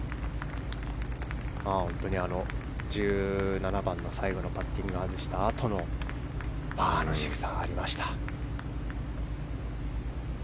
１７番の最後のパッティングを外したあとのあのしぐさがありました。